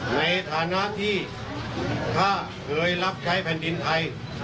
ในฐานะที่ถ้าเคยรับใช้แผ่นดินไทย